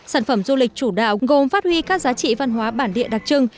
sản phẩm du lịch chủ đạo gồm phát huy các giá trị văn hóa bản địa đặc trưng